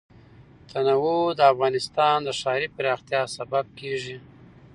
تنوع د افغانستان د ښاري پراختیا سبب کېږي.